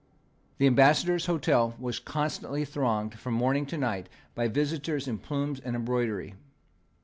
The Ambassador's hotel was constantly thronged from morning to night by visitors in plumes and embroidery.